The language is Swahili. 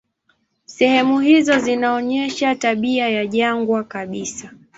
Sehemu hizo zinaonyesha tabia ya jangwa kabisa.